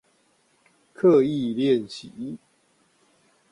刻意練習